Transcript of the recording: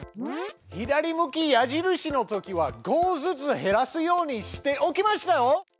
左向き矢印のときは５ずつ減らすようにしておきましたよ！